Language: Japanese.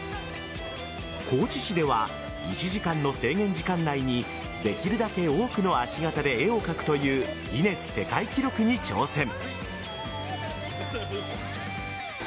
高知市では１時間の制限時間内にできるだけ多くの足形で絵を描くというギネス世界記録に挑戦。